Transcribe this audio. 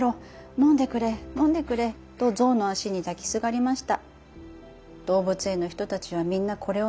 のんでくれ、のんでくれ。』と、ぞうのあしにだきすがりました」。